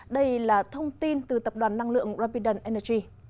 đây là thông tin từ tập đoàn năng lượng rapid energy